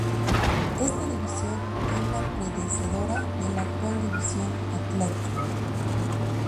Esta división es la predecesora de la actual División Atlántico.